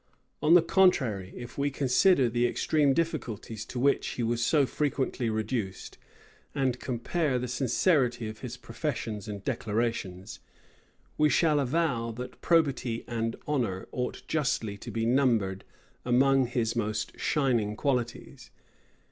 On the contrary, if we consider the extreme difficulties to which he was so frequently reduced, and compare the sincerity of his professions and declarations, we shall avow, that probity and honor ought justly to be numbered among his most shining qualities.